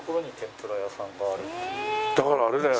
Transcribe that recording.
だからあれだよ